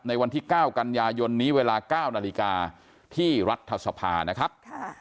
วันที่๙กันยายนนี้เวลา๙นาฬิกาที่รัฐสภานะครับ